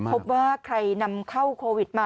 ไม่พบว่าใครนำเข้าโรคโควิด๑๙มา